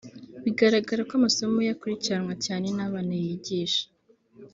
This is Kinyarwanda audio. Bigaragara ko amasomo ye akurikiranwa cyane n’abana y’igisha